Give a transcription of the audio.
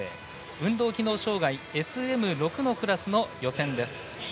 運動機能障がいＳＭ６のクラスの予選です。